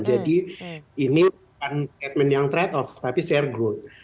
jadi ini bukan yang trade off tapi share growth